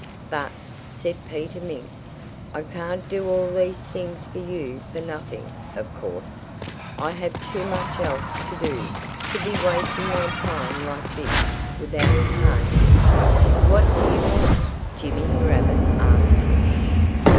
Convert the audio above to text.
"But," said Peter Mink, "I can't do all these things for you for nothing, of course. I have too much else to do, to be wasting my time like this, without pay." "What do you want?" Jimmy Rabbit asked him.